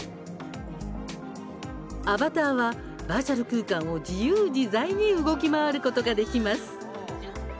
アバターはバーチャル空間を自由自在に動き回ることができます。